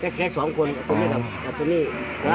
คนหนึ่งกับคนอื่น